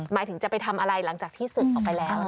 หมายถึงจะไปทำอะไรหลังจากที่ศึกออกไปแล้ว